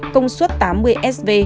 công suất tám mươi sv